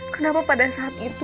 kenapa pada saat itu